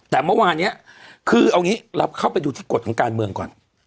แต่เมื่อวานนี้คือเอางี้เราเข้าไปดูที่กฎของการเมืองก่อน